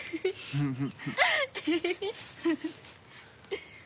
フフフ。